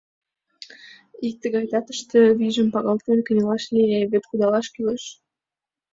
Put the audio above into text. Ик тыгай татыште, вийжым погалтен, кынелаш лие — вет кудашаш кӱлеш.